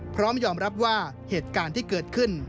พร้อมยอมรับว่าเหตุการณ์ที่เกิดขึ้น